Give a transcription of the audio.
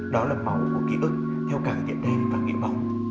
đó là máu của ký ức theo càng hiện đêm và kỷ vọng